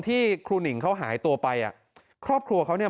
ที่ครูหนิงเขาหายตัวไปอ่ะครอบครัวเขาเนี่ย